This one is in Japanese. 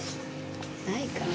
ないから。